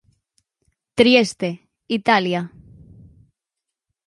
Trieste, Italia.